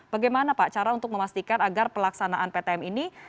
bagaimana pak cara untuk memastikan agar pelaksanaan ptm ini